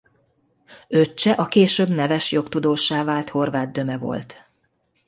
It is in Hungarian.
Öccse a később neves jogtudóssá vált Horváth Döme volt.